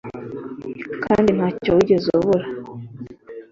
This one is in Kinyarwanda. kandi nta cyo wigeze ubura.»